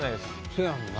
せやんな。